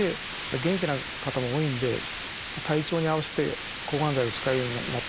元気な方も多いんで体調に合わせて抗がん剤を使うようになった。